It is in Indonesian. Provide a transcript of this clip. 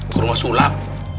ke rumah sulam